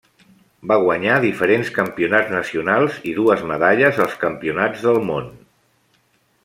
Va guanyar diferents campionats nacionals i dues medalles als Campionats del món.